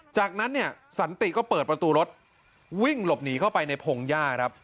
จากนั้นสศก็เปิดประตูรถวิ่งหลบหนีเข้าไปในพงศ์ย่า